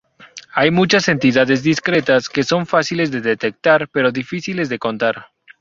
Hay muchas entidades discretas que son fáciles de detectar pero difíciles de contar.